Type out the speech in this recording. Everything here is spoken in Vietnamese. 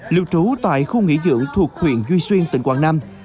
lưu trú tại khu nghỉ dưỡng thuộc huyện duy xuyên tỉnh quảng nam